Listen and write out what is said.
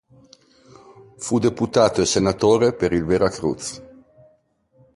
Fu deputato e senatore per il Veracruz.